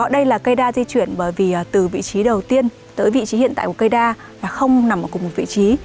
đây là cây đa di chuyển bởi vì từ vị trí đầu tiên tới vị trí hiện tại của cây đa là không nằm ở cùng một vị trí